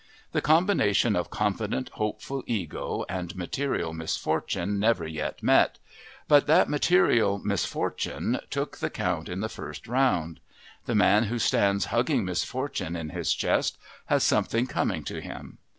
The combination of confident, hopeful ego and material misfortune never yet met, but that material misfortune took the count in the first round. The man who stands hugging misfortune in his chest has something coming to him.